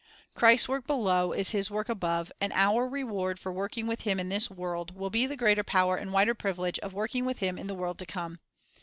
1 Christ's work below is His work above, and our reward for working with Him in this world will be the greater power and wider privilege of working with Him in the world to come.